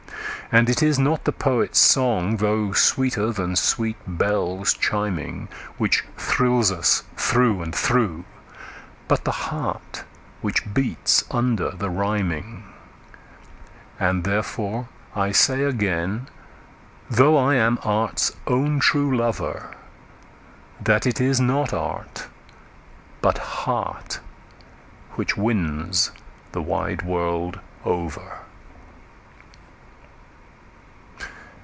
And it is not the poet's song, though sweeter than sweet bells chiming, Which thrills us through and through, but the heart which beats under the rhyming. And therefore I say again, though I am art's own true lover, That it is not art, but heart, which wins the wide world over.